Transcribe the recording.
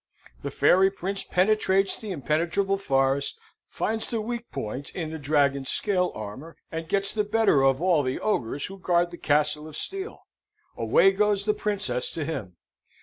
The fairy prince penetrates the impenetrable forest, finds the weak point in the dragon's scale armour, and gets the better of all the ogres who guard the castle of steel. Away goes the princess to him.